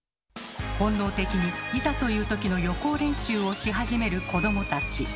本能的にいざという時の予行練習をし始める子どもたち。